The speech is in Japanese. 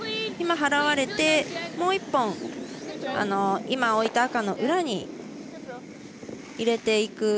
今、払われてもう１本、今置いた赤の裏に入れていく。